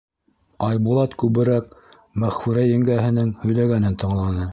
Айбулат күберәк Мәғфүрә еңгәһенең һөйләгәнен тыңланы.